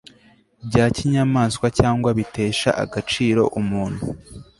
bya kinyamaswa cyangwa bitesha agaciro umuntu